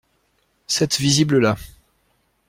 Cette visible-là.